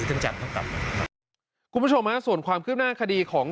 คุณผู้ชมส่วนความเคลือบหน้าคดีของ